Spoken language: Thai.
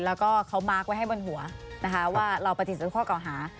แล้วก็เขามาร์คไว้ให้บนหัวนะคะว่าเราปฏิเสธข้อเก่าหา